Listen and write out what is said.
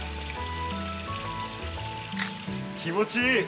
気持ちいい！